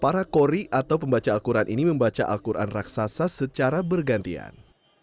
para kori atau pembaca al quran ini membaca al quran raksasa secara bergantian